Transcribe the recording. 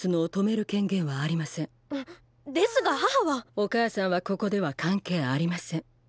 お母さんはここでは関係ありません。